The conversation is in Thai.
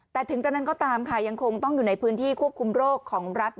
แต่ถึงกระนั้นก็ตามค่ะยังคงต้องอยู่ในพื้นที่ควบคุมโรคของรัฐ